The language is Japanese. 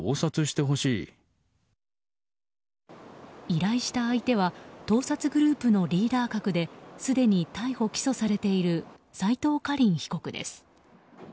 依頼した相手は盗撮グループのリーダー格ですでに逮捕・起訴されている斉藤果林被告です。